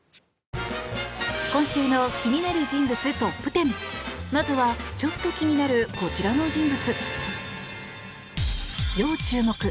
今週の気になる人物トップ１０まずは、ちょっと気になるこちらの人物。